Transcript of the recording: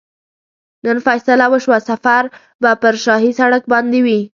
نن فیصله وشوه سفر به پر شاهي سړک باندې وي.